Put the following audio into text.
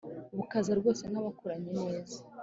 Bukaza rwose nk’abakuranye neza